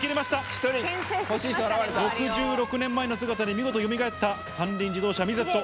１人、６６年前の姿に見事よみがえった三輪自動車、ミゼット。